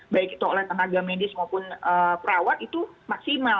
baik itu oleh tenaga medis maupun perawat itu maksimal